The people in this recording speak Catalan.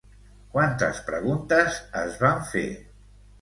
Quantes preguntes es van fer?